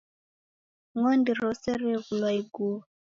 Ngondi rose reghulwa ighuo